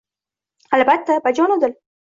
Albatta, bajonu dil.